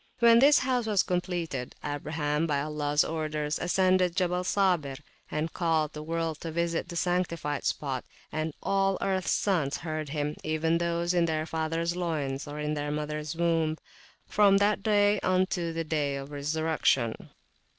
When this house was completed, Abraham, by Allahs order, ascended Jabal Sabir, and called the world to visit the sanctified spot; and all earths sons heard him, even those in their fathers loins or in their mothers womb, from that day unto the day of resurrection.